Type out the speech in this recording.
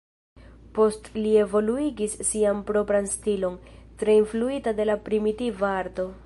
Poste li evoluigis sian propran stilon, tre influita de la primitiva arto.